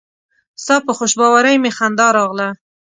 ستا په خوشباوري مې خندا راغله.